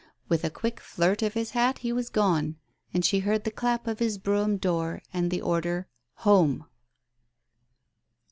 With a quick flirt of his hat he was gone, and she heard the clap of his brougham door and the order "Home."